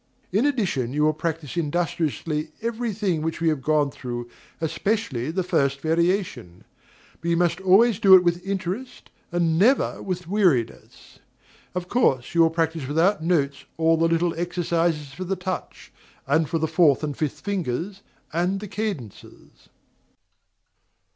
In addition, you will practise industriously every thing which we have gone through, especially the first variation; but you must always do it with interest, and never with weariness. Of course you will practise without notes all the little exercises for the touch, and for the fourth and fifth fingers, and the cadences.